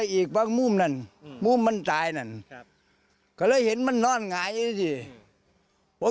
ตกใจเลยแล้วว่าใจดิว่ายได้แล้ว